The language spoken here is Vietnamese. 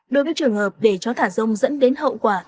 đối với trường hợp để chó thả rông dẫn đến hậu quả